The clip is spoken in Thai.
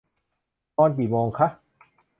นอนกี่โมงคะ